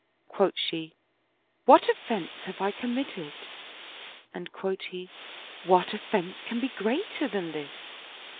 QuOth she, "What offense have I committed ?" and quoth he, " What offense can be greater than this?